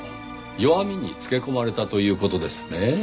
弱みにつけ込まれたという事ですね。